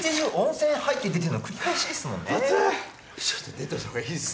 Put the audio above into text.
出といた方がいいですって。